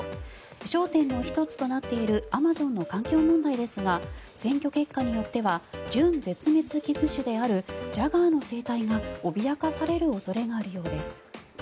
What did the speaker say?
焦点の１つとなっているアマゾンの環境問題ですが選挙結果によっては準絶滅危惧種であるジャガーの生態が脅かされる恐れがあるようです。